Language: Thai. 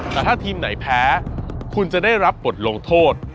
แต่ถ้าทีมไหนแพ้คุณจะได้รับบทลงโทษ